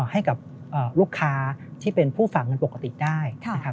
ให้กับลูกค้าที่เป็นผู้ฝากเงินปกติได้นะครับ